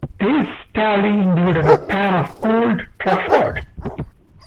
This tally included a pair at Old Trafford.